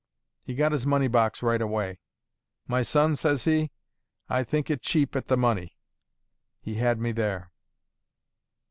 He got his money box right away. 'My son,' says he, 'I think it cheap at the money.' He had me there."